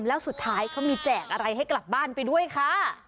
แล้วสุดท้ายเขามีแจกอะไรให้กลับบ้านไปด้วยค่ะ